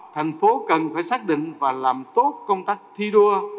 thành phố cần phải xác định và làm tốt công tác thi đua